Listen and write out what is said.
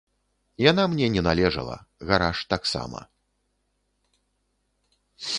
Яна мне не належала, гараж таксама.